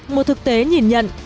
một thực tế nhìn nhận